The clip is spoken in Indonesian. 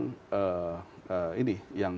yang ini yang